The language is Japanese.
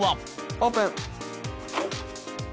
オープン！